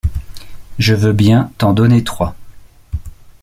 Je veux bien t’en donner trois. ..